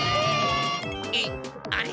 えっあれ？